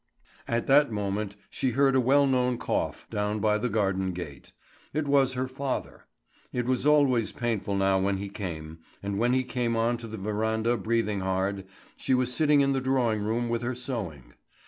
At that moment she heard a well known cough down by the garden gate. It was her father. It was always painful now when he came, and when he came on to the verandah breathing hard, she was sitting in the drawing room with her sewing.